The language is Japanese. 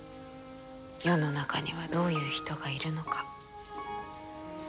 世の中にはどういう人がいるのか。